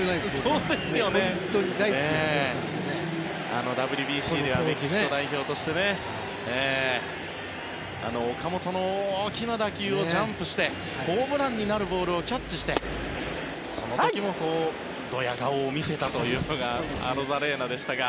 あのＷＢＣではメキシコ代表として岡本の大きな打球をジャンプしてホームランになるボールをキャッチしてその時もドヤ顔を見せたというのがアロザレーナでしたが。